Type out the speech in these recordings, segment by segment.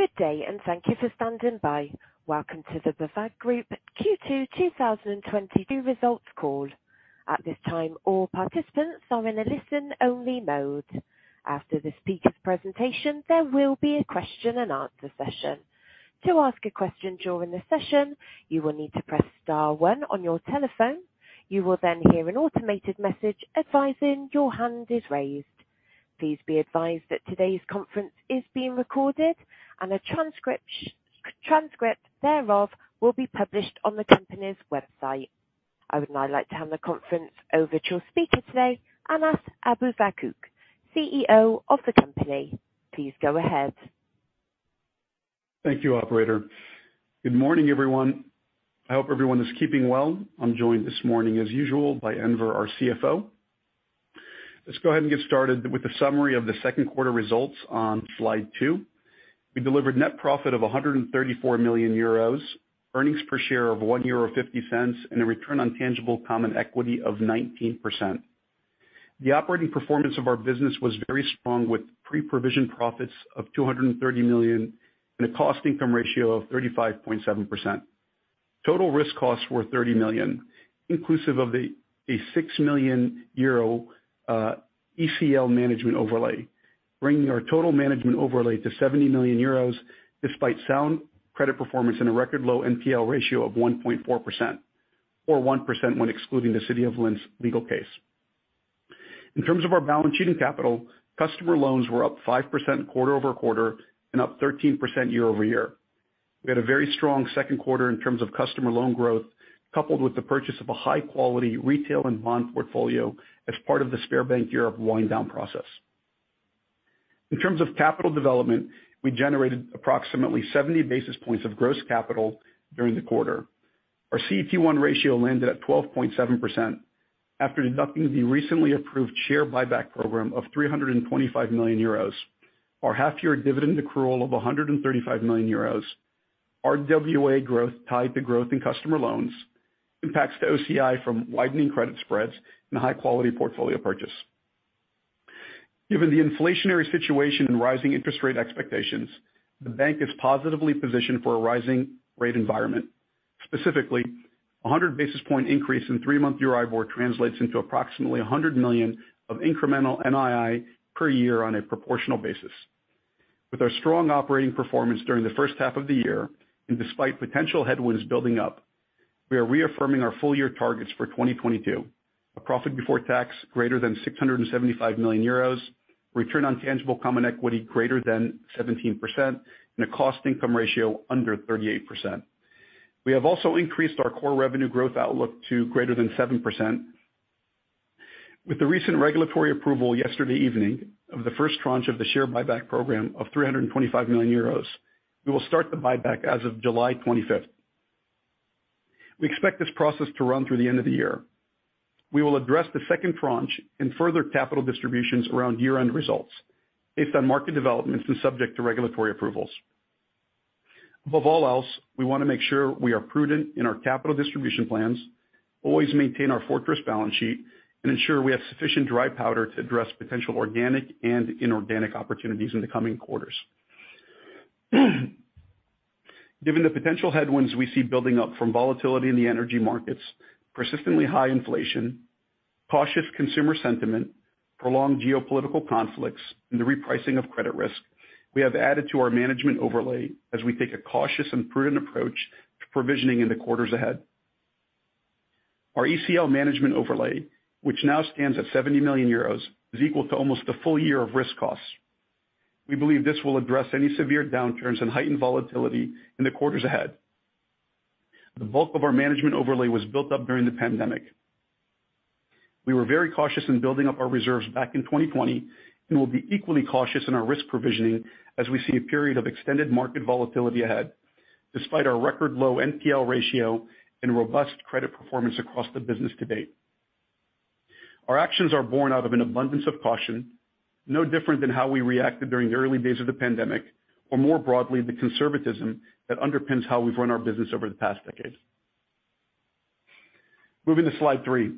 Good day and thank you for standing by. Welcome to the BAWAG Group Q2 2022 results call. At this time, all participants are in a listen-only mode. After the speaker's presentation, there will be a question-and- answer session. To ask a question during the session, you will need to press star one on your telephone. You will then hear an automated message advising your hand is raised. Please be advised that today's conference is being recorded and a transcript thereof will be published on the company's website. I would now like to hand the conference over to your speaker today, Anas Abuzaakouk, CEO of the company. Please go ahead. Thank you, operator. Good morning, everyone. I hope everyone is keeping well. I'm joined this morning as usual by Enver, our CFO. Let's go ahead and get started with a summary of the Q2 results on slide two. We delivered net profit of 134 million euros, earnings per share of 1.50 euro, and a return on tangible common equity of 19%. The operating performance of our business was very strong with pre-provision profits of 230 million and a cost income ratio of 35.7%. Total risk costs were 30 million, inclusive of a 6 million euro ECL management overlay, bringing our total management overlay to 70 million euros despite sound credit performance and a record low NPL ratio of 1.4% or 1% when excluding the City of Linz legal case. In terms of our balance sheet and capital, customer loans were up 5% quarter-over-quarter and up 13% year-over-year. We had a very strong Q2 in terms of customer loan growth, coupled with the purchase of a high-quality retail and bond portfolio as part of the Sberbank Europe wind down process. In terms of capital development, we generated approximately 70 basis points of gross capital during the quarter. Our CET1 ratio landed at 12.7%. After deducting the recently approved share buyback program of 325 million euros, our half year dividend accrual of 135 million euros, RWA growth tied to growth in customer loans impacts the OCI from widening credit spreads and high-quality portfolio purchase. Given the inflationary situation and rising interest rate expectations, the bank is positively positioned for a rising rate environment. Specifically, a 100-basis point increase in three-month EURIBOR translates into approximately 100 million of incremental NII per year on a proportional basis. With our strong operating performance during the first half of the year, and despite potential headwinds building up, we are reaffirming our full-year targets for 2022, a profit before tax greater than 675 million euros, return on tangible common equity greater than 17%, and a cost income ratio under 38%. We have also increased our core revenue growth outlook to greater than 7%. With the recent regulatory approval yesterday evening of the first tranche of the share buyback program of 325 million euros, we will start the buyback as of July 25. We expect this process to run through the end of the year. We will address the second tranche in further capital distributions around year-end results based on market developments and subject to regulatory approvals. Above all else, we want to make sure we are prudent in our capital distribution plans, always maintain our fortress balance sheet, and ensure we have sufficient dry powder to address potential organic and inorganic opportunities in the coming quarters. Given the potential headwinds we see building up from volatility in the energy markets, persistently high inflation, cautious consumer sentiment, prolonged geopolitical conflicts, and the repricing of credit risk, we have added to our management overlay as we take a cautious and prudent approach to provisioning in the quarters ahead. Our ECL management overlay, which now stands at 70 million euros, is equal to almost a full year of risk costs. We believe this will address any severe downturns and heightened volatility in the quarters ahead. The bulk of our management overlay was built up during the pandemic. We were very cautious in building up our reserves back in 2020 and will be equally cautious in our risk provisioning as we see a period of extended market volatility ahead, despite our record low NPL ratio and robust credit performance across the business to date. Our actions are born out of an abundance of caution, no different than how we reacted during the early days of the pandemic, or more broadly, the conservatism that underpins how we've run our business over the past decade. Moving to slide three.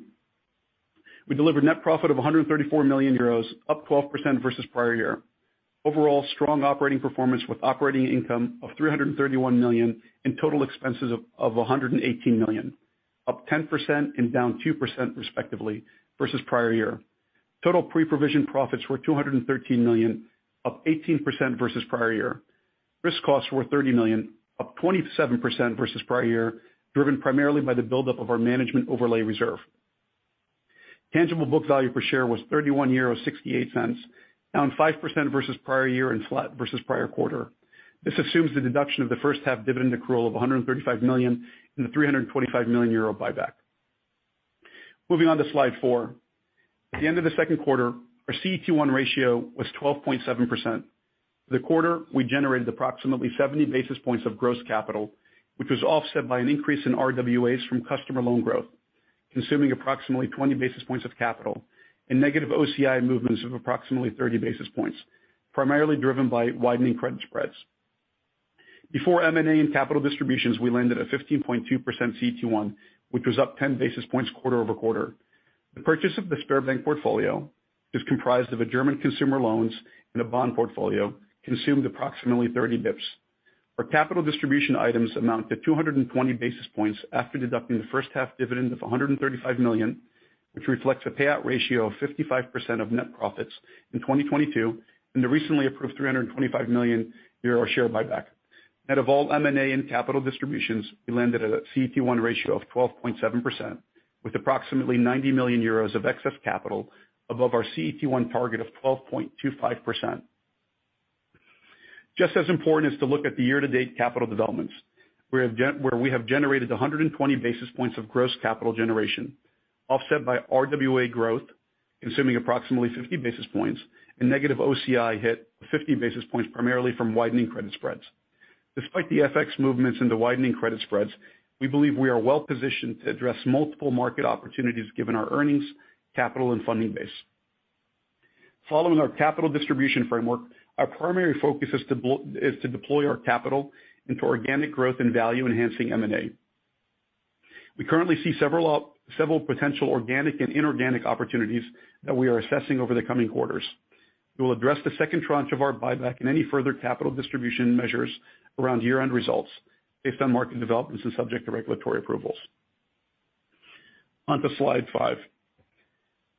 We delivered net profit of 134 million euros, up 12% versus prior year. Overall strong operating performance with operating income of 331 million and total expenses of 118 million, up 10% and down 2% respectively versus prior year. Total pre-provision profits were EUR 213 million, up 18% versus prior year. Risk costs were EUR 30 million, up 27% versus prior year, driven primarily by the buildup of our management overlay reserve. Tangible book value per share was 31.68 euros, down 5% versus prior year and flat versus prior quarter. This assumes the deduction of the first half dividend accrual of 135 million and the 325 million euro buyback. Moving on to slide four. At the end of the Q2, our CET1 ratio was 12.7%. The quarter, we generated approximately 70 basis points of gross capital, which was offset by an increase in RWAs from customer loan growth, consuming approximately 20 basis points of capital and negative OCI movements of approximately 30 basis points, primarily driven by widening credit spreads. Before M&A and capital distributions, we landed at 15.2% CET1, which was up 10 basis points quarter-over-quarter. The purchase of the Sberbank portfolio is comprised of a German consumer loan and a bond portfolio consumed approximately 30 basis points. Our capital distribution items amount to 220 basis points after deducting the first half dividend of 135 million, which reflects a payout ratio of 55% of net profits in 2022, and the recently approved 325 million euro share buyback. Net of all M&A and capital distributions, we landed at a CET1 ratio of 12.7% with approximately 90 million euros of excess capital above our CET1 target of 12.25%. Just as important is to look at the year-to-date capital developments, where we have generated 120 basis points of gross capital generation, offset by RWA growth, consuming approximately 50 basis points and negative OCI hit 50 basis points primarily from widening credit spreads. Despite the FX movements and the widening credit spreads, we believe we are well-positioned to address multiple market opportunities given our earnings, capital, and funding base. Following our capital distribution framework, our primary focus is to deploy our capital into organic growth and value-enhancing M&A. We currently see several potential organic and inorganic opportunities that we are assessing over the coming quarters. We will address the second tranche of our buyback and any further capital distribution measures around year-end results based on market developments and subject to regulatory approvals. Onto slide five.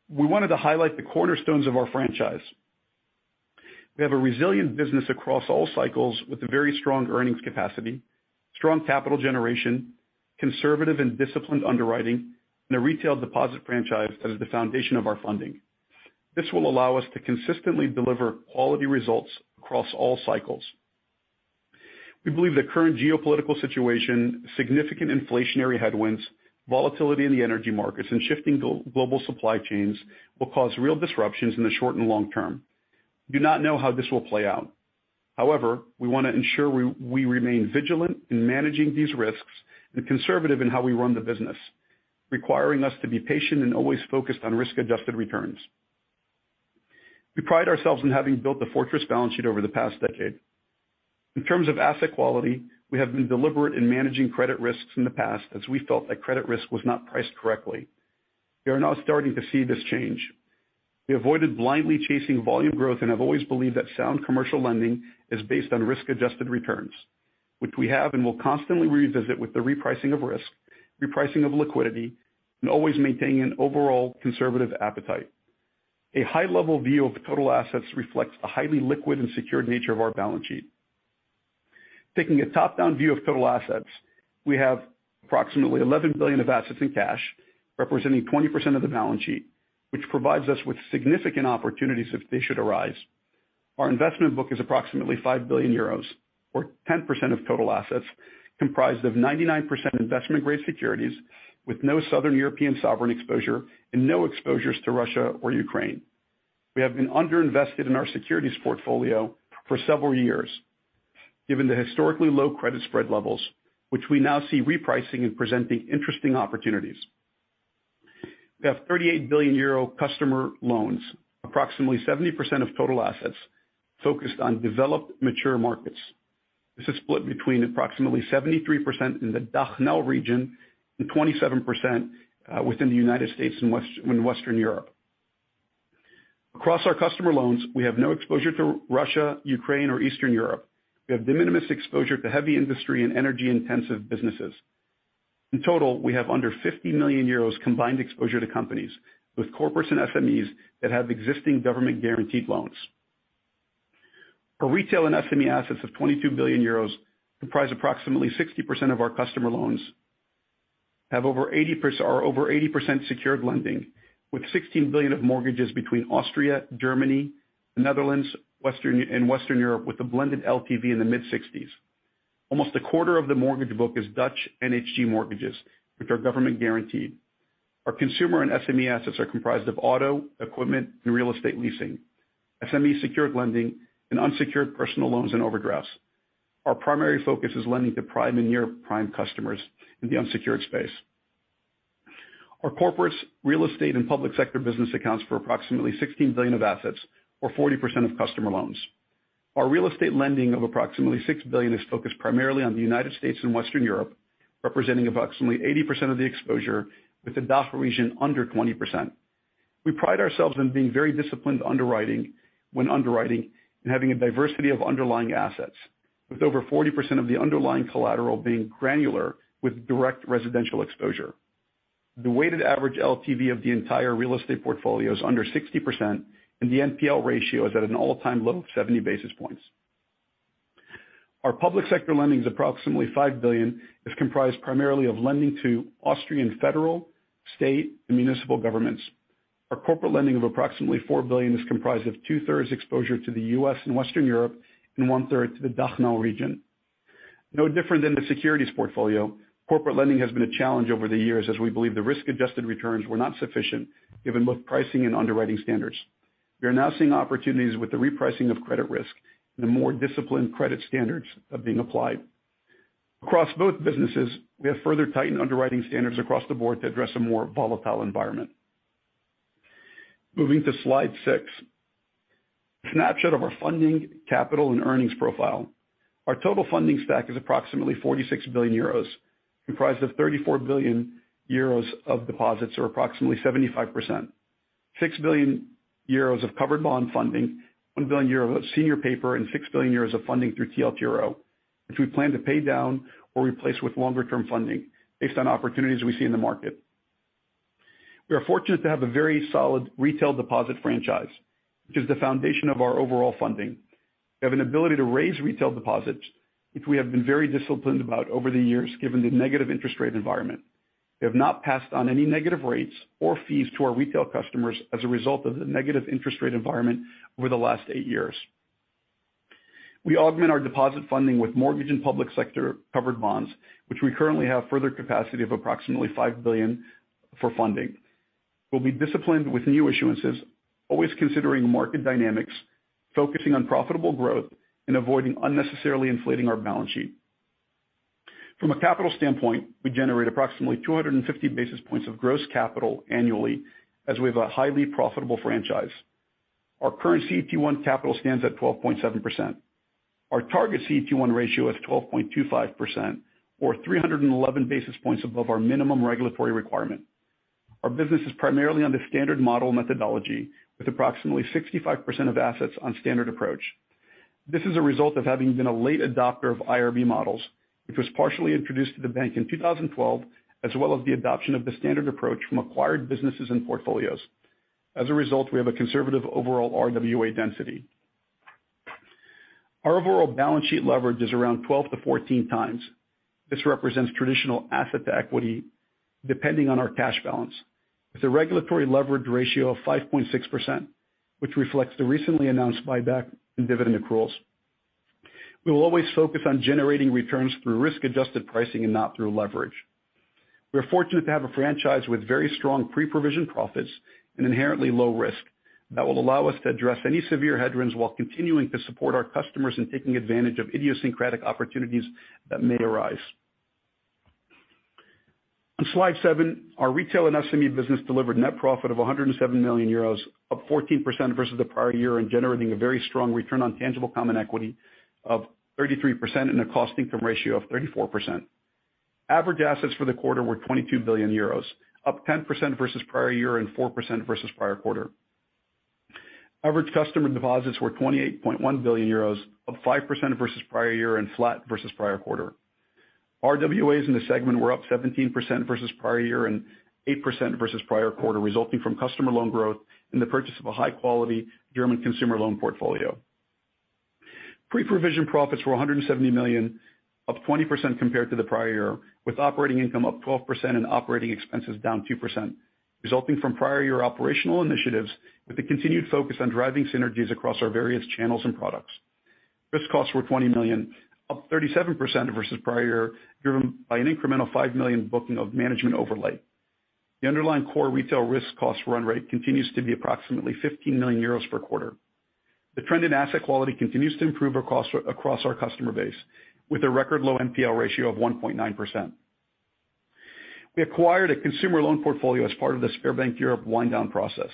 We wanted to highlight the cornerstones of our franchise. We have a resilient business across all cycles with a very strong earnings capacity, strong capital generation, conservative and disciplined underwriting, and a retail deposit franchise that is the foundation of our funding. This will allow us to consistently deliver quality results across all cycles. We believe the current geopolitical situation, significant inflationary headwinds, volatility in the energy markets, and shifting global supply chains will cause real disruptions in the short and long term. We do not know how this will play out. However, we want to ensure we remain vigilant in managing these risks and conservative in how we run the business, requiring us to be patient and always focused on risk-adjusted returns. We pride ourselves in having built the fortress balance sheet over the past decade. In terms of asset quality, we have been deliberate in managing credit risks in the past as we felt that credit risk was not priced correctly. We are now starting to see this change. We avoided blindly chasing volume growth and have always believed that sound commercial lending is based on risk-adjusted returns, which we have and will constantly revisit with the repricing of risk, repricing of liquidity, and always maintaining an overall conservative appetite. A high-level view of total assets reflects the highly liquid and secured nature of our balance sheet. Taking a top-down view of total assets, we have approximately 11 billion of assets in cash, representing 20% of the balance sheet, which provides us with significant opportunities if they should arise. Our investment book is approximately 5 billion euros or 10% of total assets, comprised of 99% investment-grade securities with no Southern European sovereign exposure and no exposures to Russia or Ukraine. We have been under-invested in our securities portfolio for several years, given the historically low credit spread levels, which we now see repricing and presenting interesting opportunities. We have 38 billion euro customer loans, approximately 70% of total assets focused on developed mature markets. This is split between approximately 73% in the DACH/NL region and 27% within the United States and Western Europe. Across our customer loans, we have no exposure to Russia, Ukraine, or Eastern Europe. We have de minimis exposure to heavy industry and energy-intensive businesses. In total, we have under 50 million euros combined exposure to companies with corporates and SMEs that have existing government-guaranteed loans. Our retail and SME assets of 22 billion euros comprise approximately 60% of our customer loans, are over 80% secured lending, with 16 billion of mortgages between Austria, Germany, the Netherlands, and Western Europe, with a blended LTV in the mid-60s. Almost a quarter of the mortgage book is Dutch NHG mortgages, which are government guaranteed. Our consumer and SME assets are comprised of auto, equipment, and real estate leasing, SME secured lending, and unsecured personal loans and overdrafts. Our primary focus is lending to prime and near-prime customers in the unsecured space. Our corporates, real estate, and public sector business accounts for approximately 16 billion of assets or 40% of customer loans. Our real estate lending of approximately 6 billion is focused primarily on the United States and Western Europe, representing approximately 80% of the exposure with the DACH region under 20%. We pride ourselves in being very disciplined underwriting and having a diversity of underlying assets, with over 40% of the underlying collateral being granular with direct residential exposure. The weighted average LTV of the entire real estate portfolio is under 60%, and the NPL ratio is at an all-time low of 70 basis points. Our public sector lending is approximately 5 billion, is comprised primarily of lending to Austrian federal, state, and municipal governments. Our corporate lending of approximately 4 billion is comprised of two-thirds exposure to the U.S. and Western Europe and one-third to the DACH/NL region. No different than the securities portfolio, corporate lending has been a challenge over the years as we believe the risk-adjusted returns were not sufficient given both pricing and underwriting standards. We are now seeing opportunities with the repricing of credit risk and the more disciplined credit standards that are being applied. Across both businesses, we have further tightened underwriting standards across the board to address a more volatile environment. Moving to slide six. A snapshot of our funding capital and earnings profile. Our total funding stack is approximately 46 billion euros, comprised of 34 billion euros of deposits, or approximately 75%. 6 billion euros of covered bond funding, 1 billion euros of senior paper, and 6 billion euros of funding through TLTRO, which we plan to pay down or replace with longer term funding based on opportunities we see in the market. We are fortunate to have a very solid retail deposit franchise, which is the foundation of our overall funding. We have an ability to raise retail deposits, which we have been very disciplined about over the years, given the negative interest rate environment. We have not passed on any negative rates or fees to our retail customers as a result of the negative interest rate environment over the last eight years. We augment our deposit funding with mortgage and public sector covered bonds, which we currently have further capacity of approximately 5 billion for funding. We'll be disciplined with new issuances, always considering market dynamics, focusing on profitable growth, and avoiding unnecessarily inflating our balance sheet. From a capital standpoint, we generate approximately 250 basis points of gross capital annually as we have a highly profitable franchise. Our current CET1 capital stands at 12.7%. Our target CET1 ratio is 12.25% or 311 basis points above our minimum regulatory requirement. Our business is primarily under standard model methodology with approximately 65% of assets on standard approach. This is a result of having been a late adopter of IRB models, which was partially introduced to the bank in 2012, as well as the adoption of the standard approach from acquired businesses and portfolios. As a result, we have a conservative overall RWA density. Our overall balance sheet leverage is around 12x-14x. This represents traditional asset to equity depending on our cash balance, with a regulatory leverage ratio of 5.6%, which reflects the recently announced buyback and dividend accruals. We will always focus on generating returns through risk-adjusted pricing and not through leverage. We are fortunate to have a franchise with very strong pre-provision profits and inherently low risk that will allow us to address any severe headwinds while continuing to support our customers in taking advantage of idiosyncratic opportunities that may arise. On slide seven, our retail and SME business delivered net profit of 107 million euros, up 14% versus the prior year and generating a very strong return on tangible common equity of 33% and a cost income ratio of 34%. Average assets for the quarter were 22 billion euros, up 10% versus prior year and 4% versus prior quarter. Average customer deposits were 28.1 billion euros, up 5% versus prior year and flat versus prior quarter. RWAs in the segment were up 17% versus prior year and 8% versus prior quarter, resulting from customer loan growth and the purchase of a high-quality German consumer loan portfolio. Pre-provision profits were 170 million, up 20% compared to the prior year, with operating income up 12% and operating expenses down 2%, resulting from prior year operational initiatives with a continued focus on driving synergies across our various channels and products. Risk costs were EUR 20 million, up 37% versus prior year, driven by an incremental EUR 5 million booking of management overlay. The underlying core retail risk cost run rate continues to be approximately 15 million euros per quarter. The trend in asset quality continues to improve across our customer base with a record low NPL ratio of 1.9%. We acquired a consumer loan portfolio as part of the Sberbank Europe wind down process,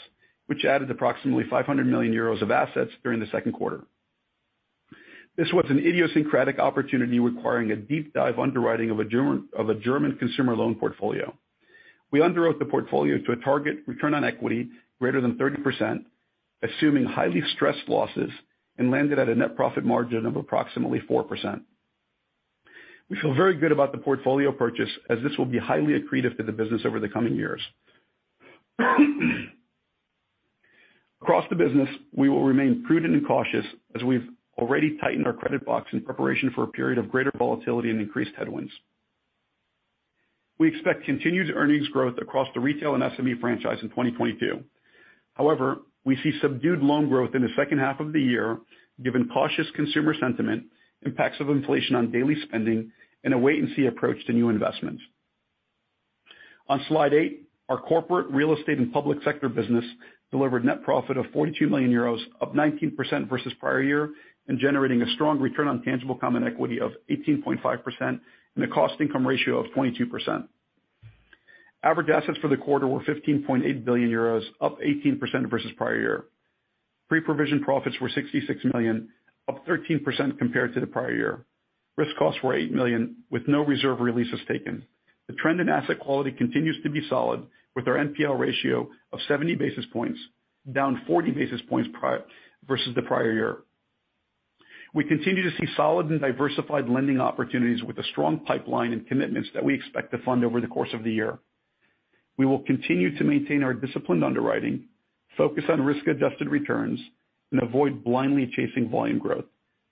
which added approximately 500 million euros of assets during the Q2. This was an idiosyncratic opportunity requiring a deep dive underwriting of a German consumer loan portfolio. We underwrote the portfolio to a target return on equity greater than 30%, assuming highly stressed losses, and landed at a net profit margin of approximately 4%. We feel very good about the portfolio purchase as this will be highly accretive to the business over the coming years. Across the business, we will remain prudent and cautious as we've already tightened our credit box in preparation for a period of greater volatility and increased headwinds. We expect continued earnings growth across the retail and SME franchise in 2022. However, we see subdued loan growth in the second half of the year, given cautious consumer sentiment, impacts of inflation on daily spending and a wait and see approach to new investments. On slide eight, our corporate real estate and public sector business delivered net profit of 42 million euros, up 19% versus prior year, and generating a strong return on tangible common equity of 18.5% and a cost income ratio of 22%. Average assets for the quarter were 15.8 billion euros, up 18% versus prior year. Pre-provision profits were 66 million, up 13% compared to the prior year. Risk costs were 8 million with no reserve releases taken. The trend in asset quality continues to be solid with our NPL ratio of 70 basis points, down 40 basis points versus the prior year. We continue to see solid and diversified lending opportunities with a strong pipeline and commitments that we expect to fund over the course of the year. We will continue to maintain our disciplined underwriting, focus on risk-adjusted returns, and avoid blindly chasing volume growth.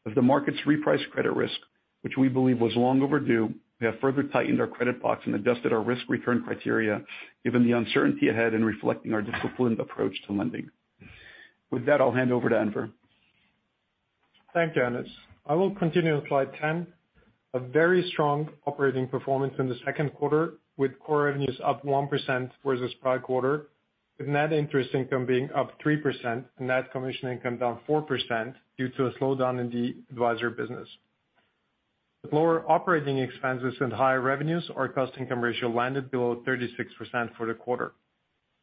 As the markets reprice credit risk, which we believe was long overdue, we have further tightened our credit box and adjusted our risk return criteria given the uncertainty ahead in reflecting our disciplined approach to lending. With that, I'll hand over to Enver. Thank you, Anas. I will continue on slide 10. A very strong operating performance in the Q2 with core revenues up 1% versus prior quarter, with net interest income being up 3% and net commission income down 4% due to a slowdown in the advisor business. With lower operating expenses and higher revenues, our cost-income ratio landed below 36% for the quarter.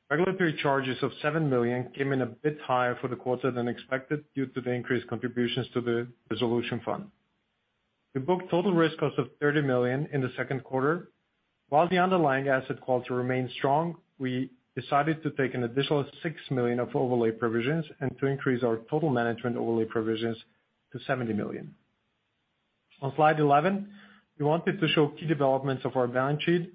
Regulatory charges of 7 million came in a bit higher for the quarter than expected due to the increased contributions to the resolution fund. We booked total risk costs of 30 million in the Q2. While the underlying asset quality remains strong, we decided to take an additional 6 million of overlay provisions and to increase our total management overlay provisions to 70 million. On slide 11, we wanted to show key developments of our balance sheet.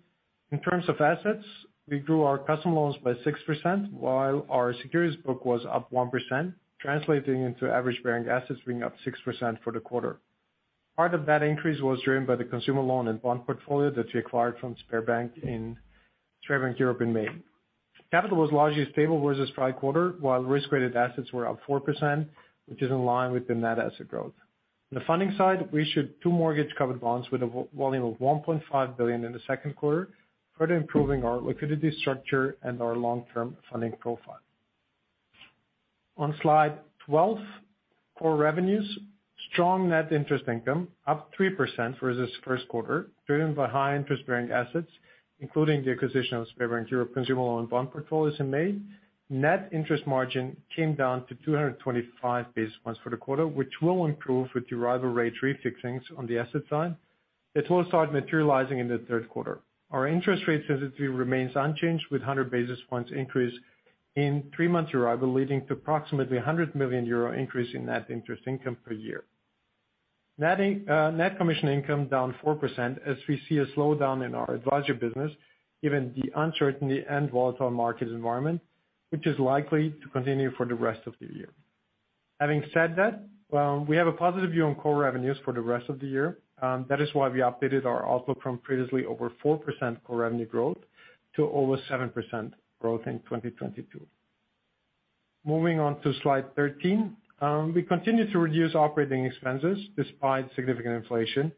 In terms of assets, we grew our customer loans by 6% while our securities book was up 1%, translating into average interest-bearing assets being up 6% for the quarter. Part of that increase was driven by the consumer loan and bond portfolio that we acquired from Sberbank Europe in May. Capital was largely stable versus prior quarter, while risk-weighted assets were up 4%, which is in line with the net asset growth. On the funding side, we issued two mortgage-covered bonds with a volume of 1.5 billion in the Q2, further improving our liquidity structure and our long-term funding profile. On slide 12, core revenues, strong net interest income up 3% for this Q1, driven by high interest-bearing assets, including the acquisition of Sberbank Europe consumer loan bond portfolios in May. Net interest margin came down to 225 basis points for the quarter, which will improve with the EURIBOR rates refixing on the asset side that will start materializing in the Q3. Our interest rate sensitivity remains unchanged with a 100 basis points increase in three-month EURIBOR, leading to approximately a 100 million euro increase in net interest income per year. Net commission income down 4% as we see a slowdown in our advisory business given the uncertainty and volatile market environment, which is likely to continue for the rest of the year. Having said that, we have a positive view on core revenues for the rest of the year. That is why we updated our outlook from previously over 4% core revenue growth to over 7% growth in 2022. Moving on to slide 13, we continue to reduce operating expenses despite significant inflation.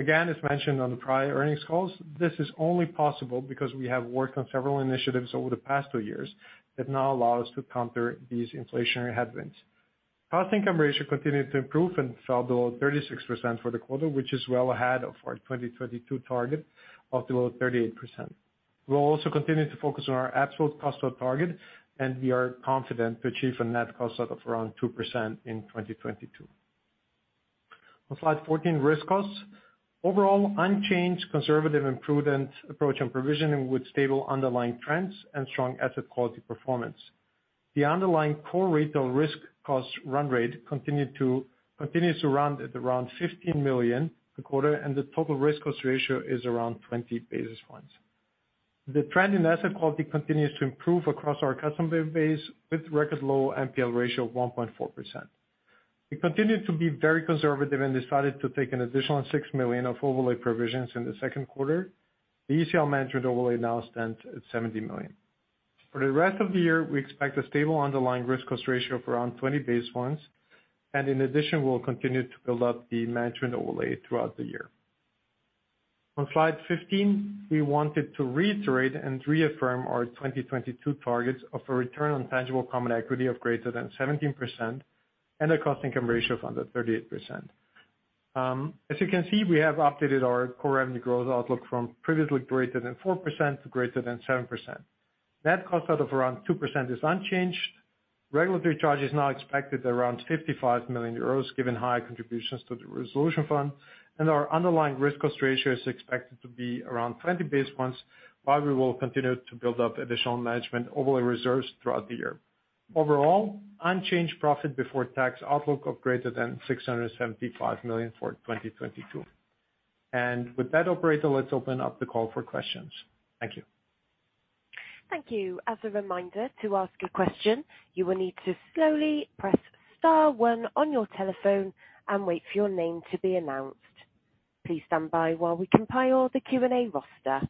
Again, as mentioned on the prior earnings calls, this is only possible because we have worked on several initiatives over the past two years that now allow us to counter these inflationary headwinds. Cost income ratio continued to improve and fell below 36% for the quarter, which is well ahead of our 2022 target of below 38%. We'll also continue to focus on our absolute cost out target, and we are confident to achieve a net cost out of around 2% in 2022. On slide 14, risk costs. Overall, unchanged conservative and prudent approach on provisioning with stable underlying trends and strong asset quality performance. The underlying core retail risk cost run rate continues to run at around 15 million a quarter, and the total risk cost ratio is around 20 basis points. The trend in asset quality continues to improve across our customer base with record low NPL ratio of 1.4%. We continued to be very conservative and decided to take an additional 6 million of overlay provisions in the Q2. The ECL management overlay now stands at 70 million. For the rest of the year, we expect a stable underlying risk cost ratio of around 20 basis points, and in addition, we'll continue to build up the management overlay throughout the year. On slide 15, we wanted to reiterate and reaffirm our 2022 targets of a return on tangible common equity of greater than 17% and a cost income ratio of under 38%. As you can see, we have updated our core revenue growth outlook from previously greater than 4% to greater than 7%. Net cost outlook of around 2% is unchanged. Regulatory charge is now expected around 55 million euros given high contributions to the resolution fund. Our underlying risk cost ratio is expected to be around 20 basis points, while we will continue to build up additional management overlay reserves throughout the year. Overall, unchanged profit before tax outlook of greater than 675 million for 2022. With that, operator, let's open up the call for questions. Thank you. Thank you. As a reminder, to ask a question, you will need to slowly press star one on your telephone and wait for your name to be announced. Please stand by while we compile the Q&A roster.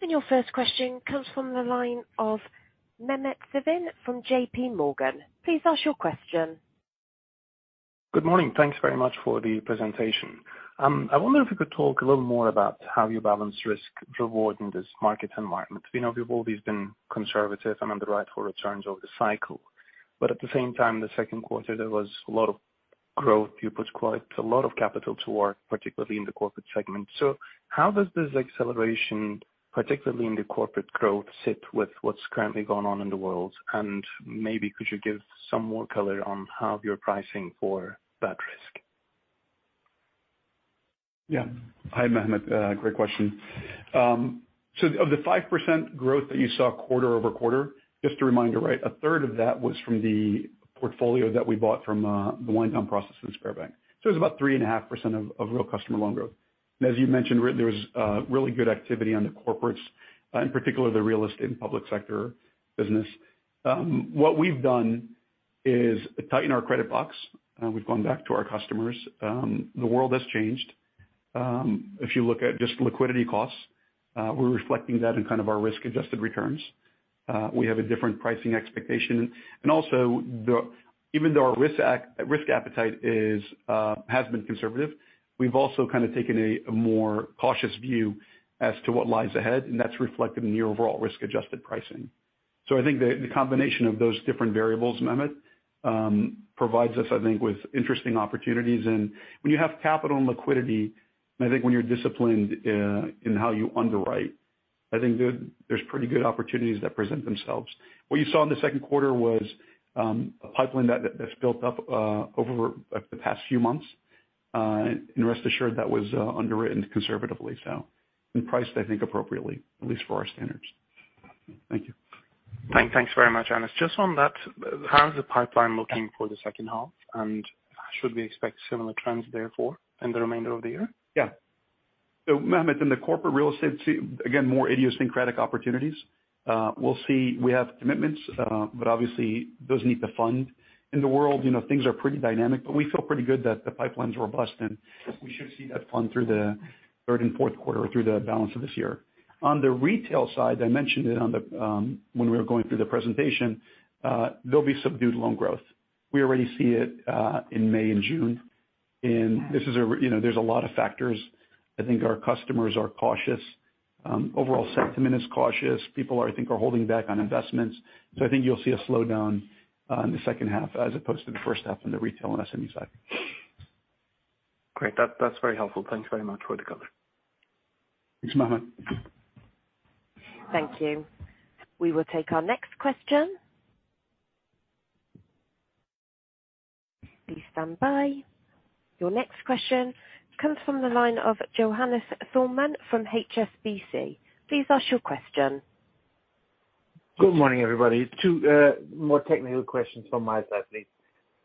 Your first question comes from the line of Mehmet Sevim from JPMorgan. Please ask your question. Good morning. Thanks very much for the presentation. I wonder if you could talk a little more about how you balance risk-reward in this market environment. We know you've always been conservative and on the right for returns over the cycle. At the same time, the Q2, there was a lot of growth. You put quite a lot of capital to work, particularly in the corporate segment. How does this acceleration, particularly in the corporate growth, sit with what's currently going on in the world? Maybe could you give some more color on how you're pricing for that risk? Yeah. Hi, Mehmet, great question. Of the 5% growth that you saw quarter-over-quarter, just to remind you, right, a third of that was from the portfolio that we bought from the wind down process in Sberbank. It's about 3.5% of real customer loan growth. As you mentioned, there was really good activity on the corporates, in particular the real estate and public sector business. What we've done is tighten our credit box. We've gone back to our customers. The world has changed. If you look at just liquidity costs, we're reflecting that in kind of our risk-adjusted returns. We have a different pricing expectation. Even though our risk appetite has been conservative, we've also kind of taken a more cautious view as to what lies ahead, and that's reflected in the overall risk-adjusted pricing. I think the combination of those different variables, Mehmet, provides us, I think, with interesting opportunities. When you have capital and liquidity, and I think when you're disciplined in how you underwrite, I think there's pretty good opportunities that present themselves. What you saw in the Q2 was a pipeline that's built up over the past few months. Rest assured that was underwritten conservatively, and priced, I think, appropriately, at least for our standards. Thank you. Thanks very much, Anas. Just on that, how is the pipeline looking for the second half, and should we expect similar trends therefore in the remainder of the year? Yeah. Mehmet, in the corporate real estate, again, more idiosyncratic opportunities. We have commitments, but obviously those need to fund. In the world, you know, things are pretty dynamic, but we feel pretty good that the pipeline's robust and we should see that fund through the Q3 and Q4 or through the balance of this year. On the retail side, I mentioned it on the, when we were going through the presentation, there'll be subdued loan growth. We already see it in May and June. You know, there's a lot of factors. I think our customers are cautious. Overall sentiment is cautious. People I think are holding back on investments. I think you'll see a slowdown in the second half as opposed to the first half on the retail and SME side. That's very helpful. Thanks very much for the color. Thanks, Mehmet. Thank you. We will take our next question. Please stand by. Your next question comes from the line of Johannes Thormann from HSBC. Please ask your question. Good morning, everybody. Two more technical questions from my side, please.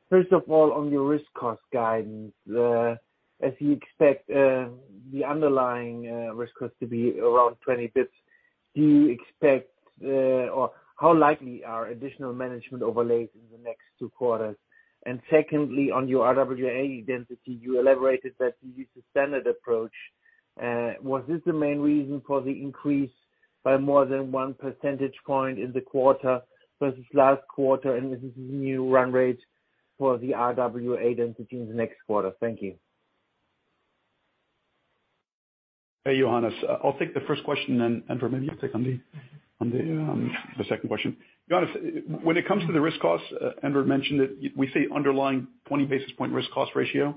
First of all, on your risk cost guidance, as you expect the underlying risk cost to be around 20 basis points, do you expect or how likely are additional management overlays in the next two quarters? Secondly, on your RWA density, you elaborated that you used a standard approach. Was this the main reason for the increase by more than 1 percentage point in the quarter versus last quarter, and is this the new run rate for the RWA density in the next quarter? Thank you. Hey, Johannes. I'll take the first question then, and for maybe you take on the second question. Johannes, when it comes to the risk costs, Enver mentioned it, we see underlying 20 basis point risk cost ratio.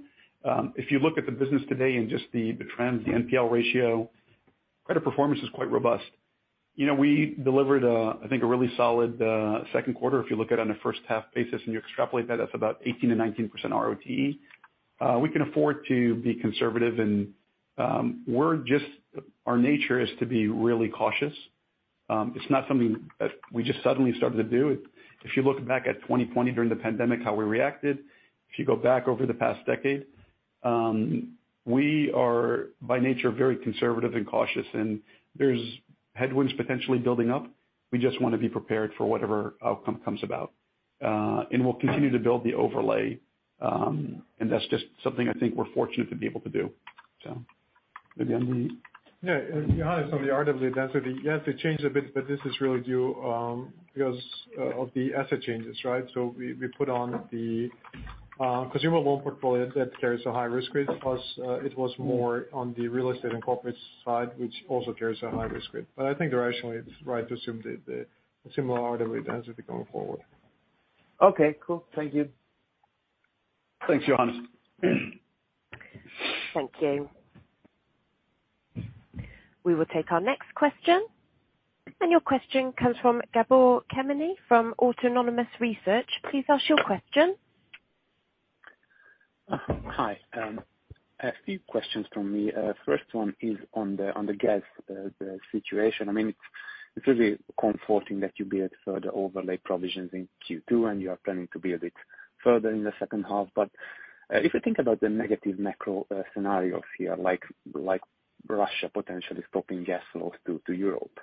If you look at the business today and just the trends, the NPL ratio, credit performance is quite robust. You know, we delivered, I think, a really solid Q2. If you look at it on a first half basis and you extrapolate that's about 18%-19% ROTE. We can afford to be conservative and, we're just our nature is to be really cautious. It's not something, we just suddenly started to do. If you look back at 2020 during the pandemic, how we reacted, if you go back over the past decade, we are by nature very conservative and cautious, and there's headwinds potentially building up. We just want to be prepared for whatever outcome comes about. We'll continue to build the overlay, and that's just something I think we're fortunate to be able to do. Maybe, Enver. Yeah. Johannes, on the RWA density, yes, it changed a bit, but this is really due because of the asset changes, right? We put on the consumer loan portfolio that carries a high-risk rate plus it was more on the real estate and corporate side, which also carries a high-risk rate. I think rationally it's right to assume that the similar RWA density going forward. Okay. Cool. Thank you. Thanks, Johannes. Thank you. We will take our next question. Your question comes from Gabor Kemeny from Autonomous Research. Please ask your question. Hi. A few questions from me. First one is on the gas situation. I mean, it's really comforting that you build further overlay provisions in Q2 and you are planning to be a bit further in the second half. If you think about the negative macro scenarios here, like Russia potentially stopping gas flows to Europe,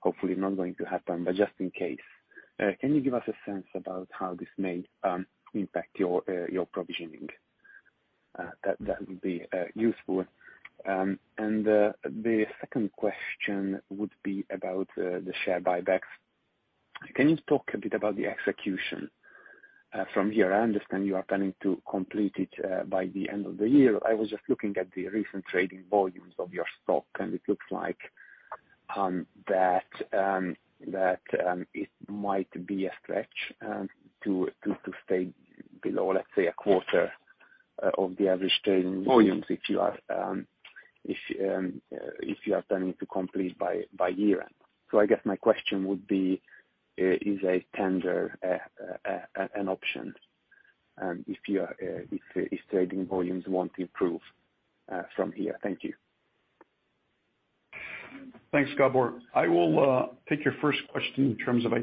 hopefully not going to happen, but just in case, can you give us a sense about how this may impact your provisioning? That would be useful. The second question would be about the share buybacks. Can you talk a bit about the execution from here? I understand you are planning to complete it by the end of the year. I was just looking at the recent trading volumes of your stock, and it looks like that it might be a stretch to stay below, let's say, a quarter of the average trading volumes if you are planning to complete by year-end. I guess my question would be, is a tender an option if trading volumes won't improve from here? Thank you. Thanks, Gabor. I will take your first question in terms of I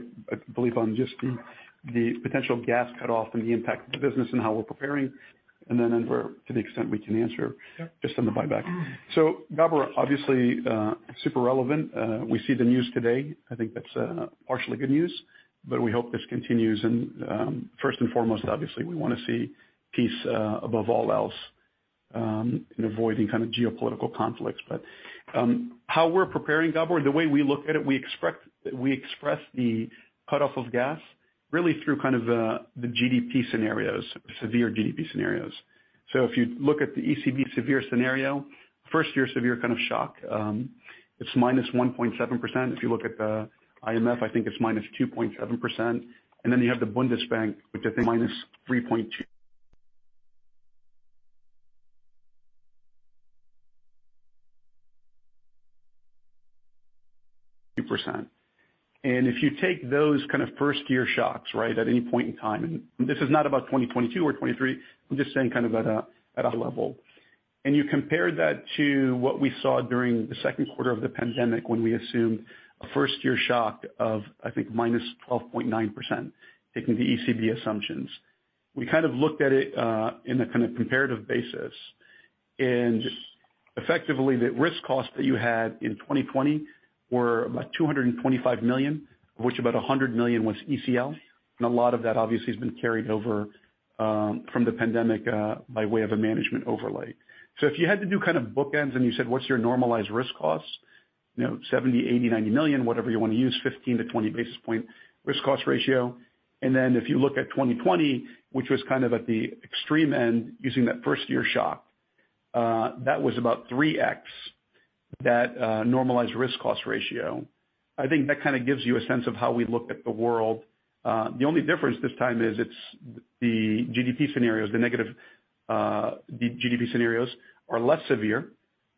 believe on just the potential gas cutoff and the impact of the business and how we're preparing. Then Enver to the extent we can answer. Sure. Just on the buyback. Gabor, obviously, super relevant. We see the news today. I think that's partially good news, but we hope this continues. First and foremost, obviously, we want to see peace above all else. Avoiding kind of geopolitical conflicts. How we're preparing Gabor, the way we look at it, we express the cutoff of gas really through kind of the GDP scenarios, severe GDP scenarios. If you look at the ECB severe scenario, first-year severe kind of shock, it's -1.7%. If you look at the IMF, I think it's -2.7%. Then you have the Bundesbank, which I think -3.2%. If you take those kinds of first-year shocks, right, at any point in time, and this is not about 2022 or 2023, I'm just saying kind of at a level. You compare that to what we saw during the Q2 of the pandemic when we assumed a first-year shock of, I think, -12.9%, taking the ECB assumptions. We kind of looked at it in a kind of comparative basis. Effectively, the risk costs that you had in 2020 were about 225 million, of which about 100 million was ECL. A lot of that obviously has been carried over from the pandemic by way of a management overlay. If you had to do kind of bookends and you said, "What's your normalized risk costs?" You know, 70 million, 80 million, 90 million, whatever you want to use, 15-20 basis point risk cost ratio. If you look at 2020, which was kind of at the extreme end using that first-year shock, that was about 3x that normalized risk cost ratio. I think that kind of gives you a sense of how we look at the world. The only difference this time is it's the GDP scenarios, the negative, the GDP scenarios are less severe.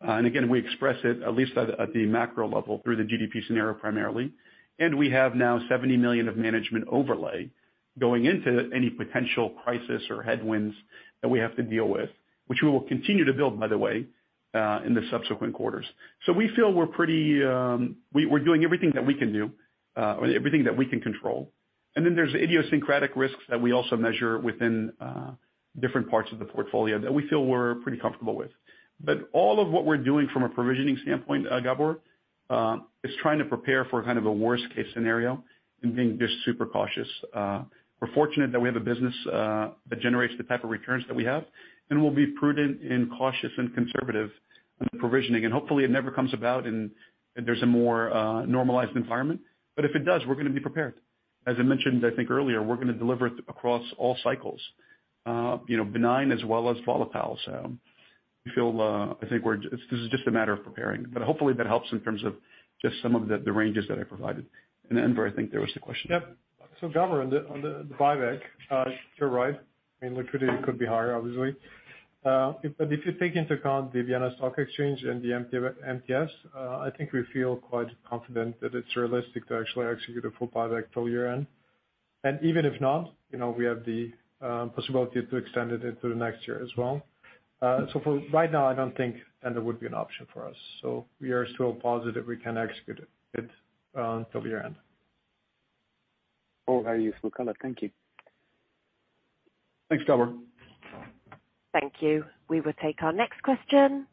Again, we express it at least at the macro level through the GDP scenario primarily. We have now 70 million of management overlay going into any potential crisis or headwinds that we have to deal with, which we will continue to build, by the way, in the subsequent quarters. We feel we're pretty; we're doing everything that we can do, everything that we can control. Then there's idiosyncratic risks that we also measure within, different parts of the portfolio that we feel we're pretty comfortable with. All of what we're doing from a provisioning standpoint, Gabor, is trying to prepare for kind of a worst-case scenario and being just super cautious. We're fortunate that we have a business that generates the type of returns that we have, and we'll be prudent and cautious and conservative on the provisioning. Hopefully, it never comes about and there's a more normalized environment. If it does, we're going to be prepared. As I mentioned, I think earlier, we're going to deliver across all cycles, you know, benign as well as volatile. We feel, I think this is just a matter of preparing. Hopefully, that helps in terms of just some of the ranges that I provided. Enver, I think there was the question. Yep. Gabor, on the buyback, you're right. I mean, liquidity could be higher, obviously. If you take into account the Vienna Stock Exchange and the MTS, I think we feel quite confident that it's realistic to actually execute a full buyback till year-end. Even if not, you know, we have the possibility to extend it into the next year as well. For right now, I don't think tender would be an option for us. We are still positive we can execute it until the year-end. All very useful color. Thank you. Thanks, Gabor. Thank you. We will take our next question.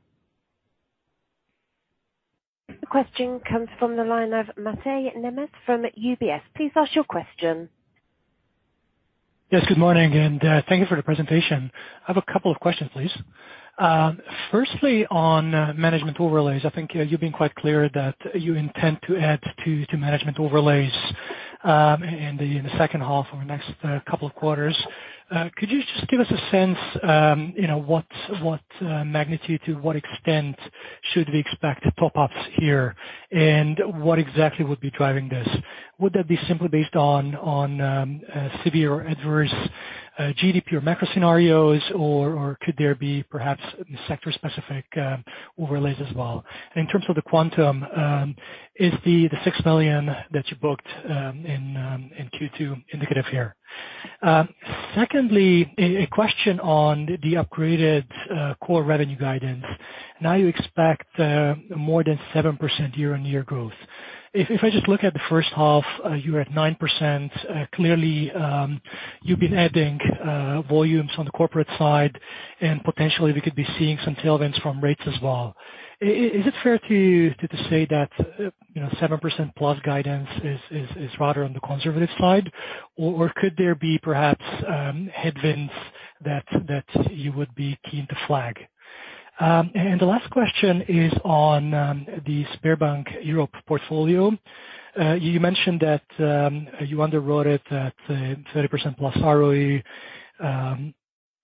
The question comes from the line of Mate Nemes from UBS. Please ask your question. Yes, good morning, and thank you for the presentation. I have a couple of questions, please. Firstly, on management overlays. I think you've been quite clear that you intend to add to management overlays in the second half or next couple of quarters. Could you just give us a sense, you know, what magnitude to what extent should we expect top ups here? And what exactly would be driving this? Would that be simply based on severe adverse GDP or macro scenarios, or could there be perhaps sector-specific overlays as well? And in terms of the quantum, is the 6 million that you booked in Q2 indicative here? Secondly, a question on the upgraded core revenue guidance. Now you expect more than 7% year-on-year growth. If I just look at the first half, you were at 9%, clearly, you've been adding volumes on the corporate side, and potentially we could be seeing some tailwinds from rates as well. Is it fair to say that, you know, 7%+ guidance is rather on the conservative side, or could there be perhaps headwinds that you would be keen to flag? The last question is on the Sberbank Europe portfolio. You mentioned that you underwrote it at 30%+ ROE,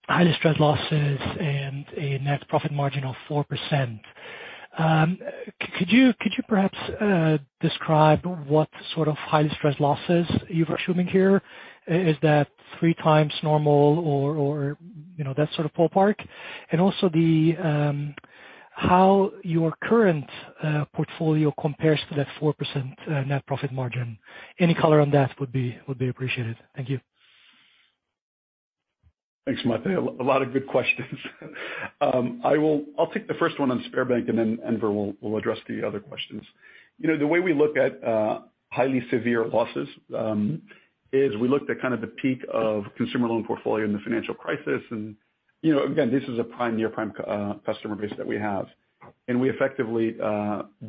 highest stress losses and a net profit margin of 4%. Could you perhaps describe what sort of highest stress losses you're assuming here? Is that 3x normal or, you know, that sort of ballpark? Also, how your current portfolio compares to that 4% net profit margin? Any color on that would be appreciated. Thank you. Thanks, Mate. A lot of good questions. I'll take the first one on Sberbank, and then Enver will address the other questions. You know, the way we look at highly severe losses is we look at kind of the peak of consumer loan portfolio in the financial crisis. You know, again, this is a prime near prime customer base that we have. We effectively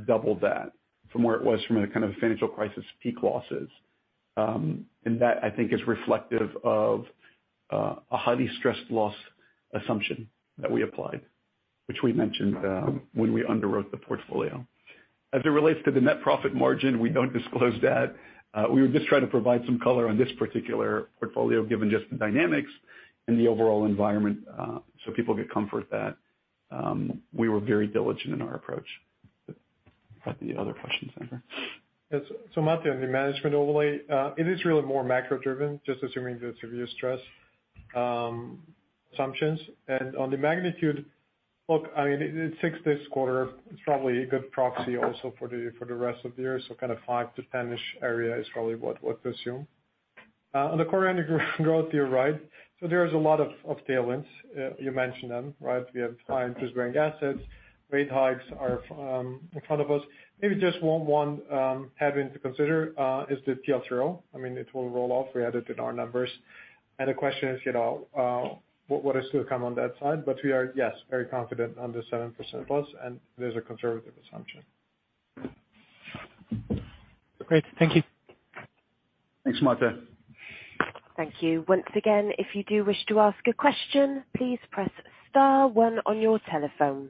doubled that from where it was from a kind of financial crisis peak losses. That I think is reflective of a highly stressed loss assumption that we applied, which we mentioned when we underwrote the portfolio. As it relates to the net profit margin, we don't disclose that. We would just try to provide some color on this particular portfolio given just the dynamics and the overall environment, so people get comfort that we were very diligent in our approach. Any other questions, Enver? Yes. Mate, on the management overlay, it is really more macro-driven, just assuming the severe stress assumptions. On the magnitude, look, I mean, it takes this quarter. It's probably a good proxy also for the rest of the year, so kind of five to 10-ish area is probably what we'll assume. On the core annual growth, you're right. There's a lot of tailwinds. You mentioned them, right? We have high interest-bearing assets. Rate hikes are in front of us. Maybe just one having to consider is the TLTRO. I mean, it will roll off. We added in our numbers. The question is, you know, what is going to come on that side? We are, yes, very confident on the 7%+, and there's a conservative assumption. Great. Thank you. Thanks, Mate. Thank you. Once again, if you do wish to ask a question, please press star one on your telephone.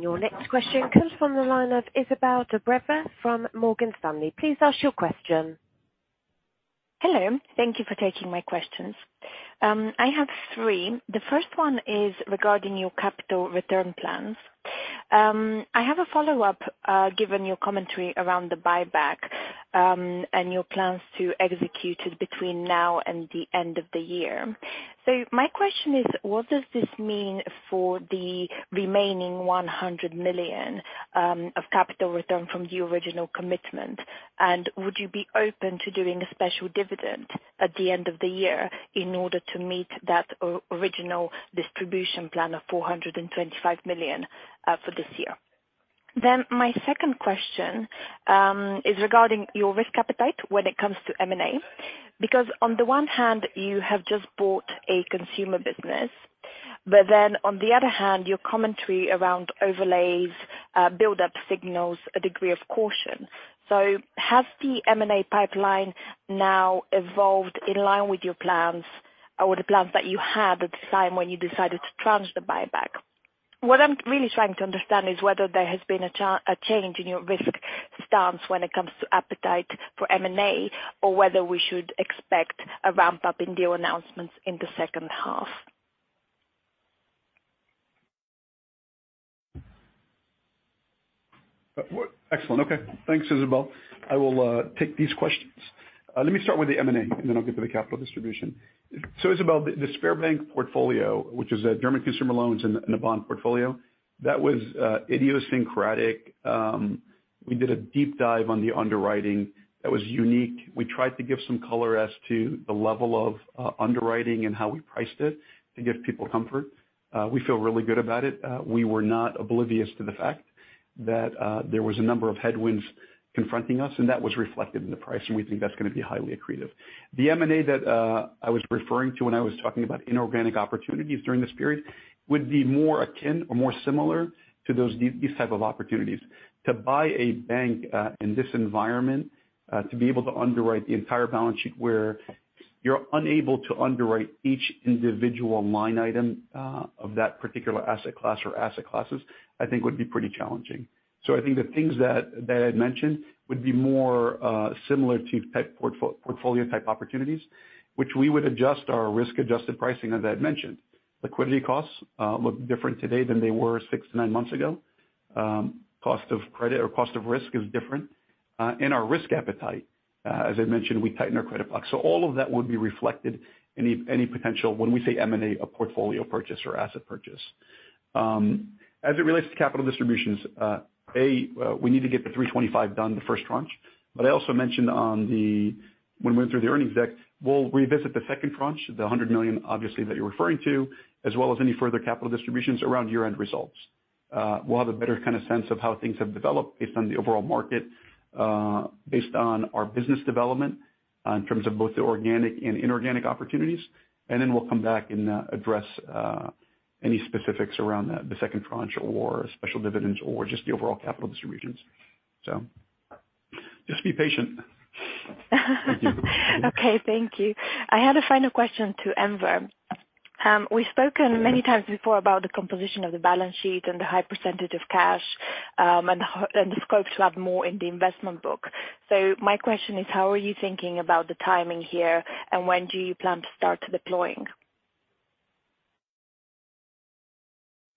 Your next question comes from the line of Isabelle Duerbeck from Morgan Stanley. Please ask your question. Hello. Thank you for taking my questions. I have three. The first one is regarding your capital return plans. I have a follow-up, given your commentary around the buyback, and your plans to execute it between now and the end of the year. My question is, what does this mean for the remaining 100 million of capital return from the original commitment? And would you be open to doing a special dividend at the end of the year in order to meet that or original distribution plan of 425 million for this year? My second question is regarding your risk appetite when it comes to M&A. Because on the one hand, you have just bought a consumer business, but then on the other hand, your commentary around overlays build-up signals a degree of caution. Has the M&A pipeline now evolved in line with your plans or the plans that you had at the time when you decided to tranche the buyback? What I'm really trying to understand is whether there has been a change in your risk stance when it comes to appetite for M&A or whether we should expect a ramp-up in deal announcements in the second half. Well, excellent. Okay. Thanks, Isabelle. I will take these questions. Let me start with the M&A, and then I'll get to the capital distribution. Isabelle, the Sberbank portfolio, which is German consumer loans and a bond portfolio, that was idiosyncratic. We did a deep dive on the underwriting that was unique. We tried to give some color as to the level of underwriting and how we priced it to give people comfort. We feel really good about it. We were not oblivious to the fact that there was a number of headwinds confronting us, and that was reflected in the pricing. We think that's going to be highly accretive. The M&A that I was referring to when I was talking about inorganic opportunities during this period would be more akin or more similar to those. These types of opportunities. To buy a bank in this environment to be able to underwrite the entire balance sheet, where you're unable to underwrite each individual line item of that particular asset class or asset classes, I think would be pretty challenging. I think the things that I'd mentioned would be more similar to tech portfolio type opportunities, which we would adjust our risk-adjusted pricing, as I'd mentioned. Liquidity costs look different today than they were six to nine months ago. Cost of credit or cost of risk is different. Our risk appetite, as I mentioned, we tighten our credit box. All of that would be reflected any potential when we say M&A or portfolio purchase or asset purchase. As it relates to capital distributions, we need to get the 325 done the first tranche. I also mentioned when we went through the earnings deck, we'll revisit the second tranche, the 100 million obviously that you're referring to, as well as any further capital distributions around year-end results. We'll have a better kind of sense of how things have developed based on the overall market, based on our business development, in terms of both the organic and inorganic opportunities, and then we'll come back and address any specifics around the second tranche or special dividends or just the overall capital distributions. Just be patient. Thank you. I had a final question to Enver. We've spoken many times before about the composition of the balance sheet and the high percentage of cash, and the scope to have more in the investment book. My question is, how are you thinking about the timing here, and when do you plan to start deploying?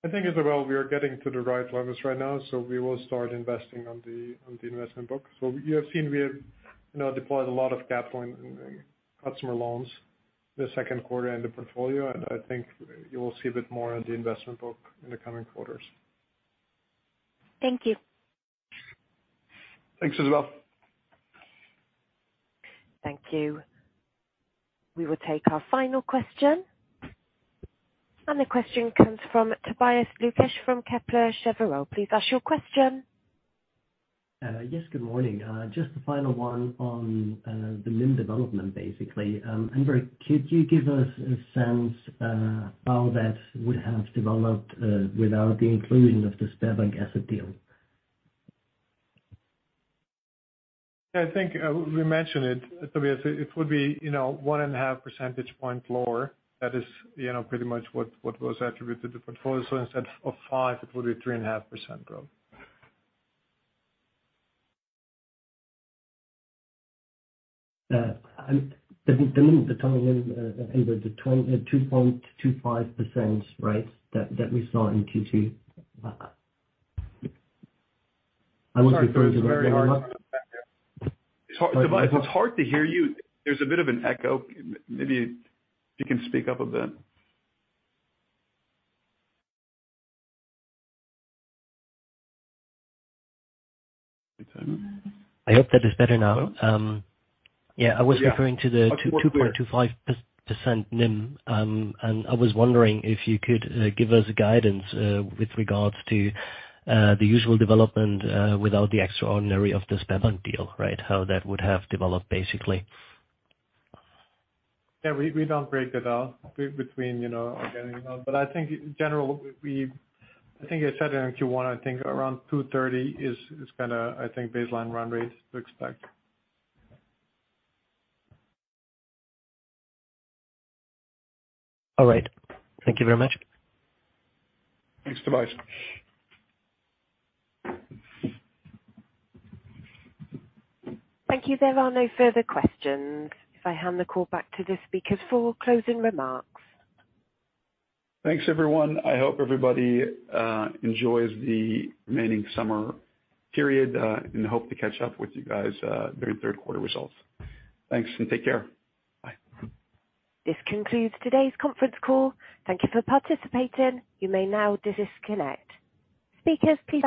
I think, Isabelle, we are getting to the right levels right now, so we will start investing on the investment book. You have seen we have, you know, deployed a lot of capital in customer loans this Q2 in the portfolio, and I think you will see a bit more in the investment book in the coming quarters. Thank you. Thanks, Isabelle. Thank you. We will take our final question, and the question comes from Tobias Lukesch from Kepler Cheuvreux. Please ask your question. Yes, good morning. Just a final one on the NIM development, basically. Enver, could you give us a sense how that would have developed without the inclusion of the Sberbank asset deal? I think we mentioned it. Tobias, it would be, you know, 1.5 percentage point lower. That is, you know, pretty much what was attributed to the portfolio. Instead of 5%, it would be 3.5% growth. The NIM, the total NIM, Enver, the 22.25%, right, that we saw in Q2. I was referring to the- Sorry, it's very hard. It's hard. Tobias, it's hard to hear you. There's a bit of an echo. Maybe if you can speak up a bit. I hope that is better now. Yeah, I was referring to the 2.25% NIM, and I was wondering if you could give us guidance with regards to the usual development without the extraordinary of the Sberbank deal, right? How that would have developed, basically. Yeah, we don't break it out between, you know, organic. But I think in general, I think I said it in Q1, I think around 230 is kind of baseline run rate to expect. All right. Thank you very much. Thanks, Tobias. Thank you. There are no further questions. If I hand the call back to the speakers for closing remarks. Thanks, everyone. I hope everybody enjoys the remaining summer period and hope to catch up with you guys during Q3 results. Thanks, and take care. Bye. This concludes today's conference call. Thank you for participating. You may now disconnect. Speakers, please.